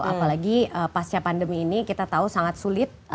apalagi pasca pandemi ini kita tahu sangat sulit